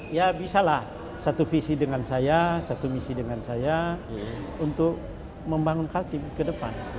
ya bisa lah satu visi dengan saya satu misi dengan saya untuk membangun khatib ke depan